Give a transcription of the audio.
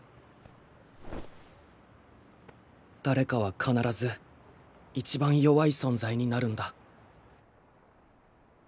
誰かは必ず一番弱い存在になるんだ。